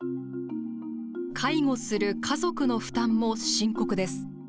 介護する家族の負担も深刻です。